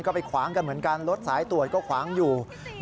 ก็ไปขวางกันเหมือนกันรถสายตรวจก็ขวางอยู่